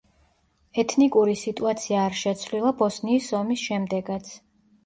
ეთნიკური სიტუაცია არ შეცვლილა ბოსნიის ომის შემდეგაც.